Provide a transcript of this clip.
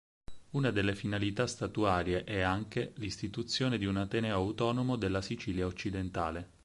Una delle finalità statutarie è anche l'istituzione di un Ateneo autonomo della Sicilia occidentale.